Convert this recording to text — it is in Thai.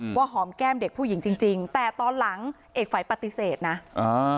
ว่าหอมแก้มเด็กผู้หญิงจริงจริงแต่ตอนหลังเอกฝัยปฏิเสธนะอ่า